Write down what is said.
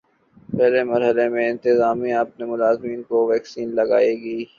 پہلے مرحلے میں انتظامیہ اپنے ملازمین کو ویکسین لگائے گی